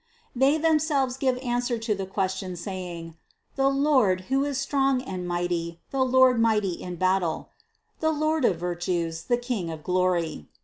340. They themselves give answer to the question say ing: "The Lord who is strong and mighty; the Lord mighty in battle," the Lord of virtues, the King of glory.